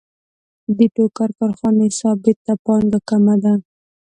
د ټوکر کارخانې ثابته پانګه کمه ده